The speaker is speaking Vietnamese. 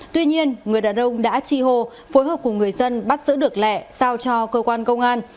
tuy nhiên người đàn ông đã chi hô phối hợp cùng người dân bắt giữ được lẹ sao cho cơ quan công an